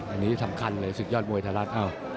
อันนี้สำคัญเลยศึกยอดมวยไทยรัฐ